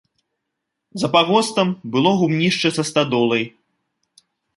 За пагостам было гумнішча са стадолай.